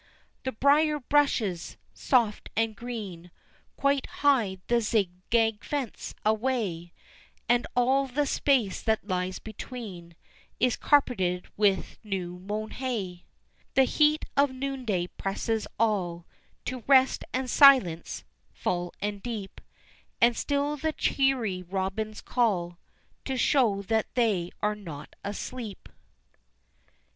The briar bushes soft and green Quite hide the zig gag fence away, And all the space that lies between Is carpeted with new mown hay. The heat of noonday presses all To rest and silence, full and deep, And still the cheery robins call To show that they are not asleep.